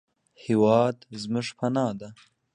هېواد زموږ پناه دی